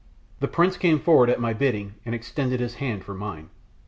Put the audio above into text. The prince came forward at my bidding and extending his hand for mine.